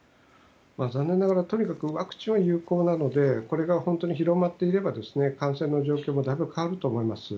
残念ながらワクチンは有効なので本当に広まっていれば感染の状況もだいぶ変わると思います。